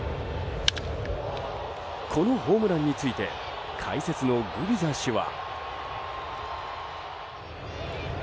このホームランについて解説のグビザ氏は。